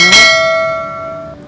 kamu jangan calauin ya